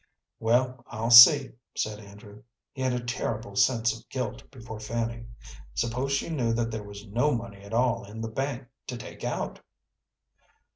"Well, I'll see," said Andrew. He had a terrible sense of guilt before Fanny. Suppose she knew that there was no money at all in the bank to take out?